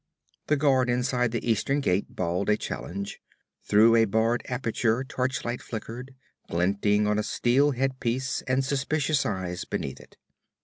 The guard inside the eastern gate bawled a challenge. Through a barred aperture torchlight flickered, glinting on a steel head piece and suspicious eyes beneath it.